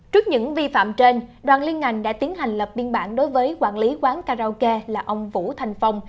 trước những vi phạm trên đoàn liên ngành đã tiến hành lập biên bản đối với quản lý quán karaoke là ông vũ thành phong